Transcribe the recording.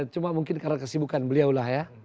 cuma mungkin karena kesibukan beliau lah ya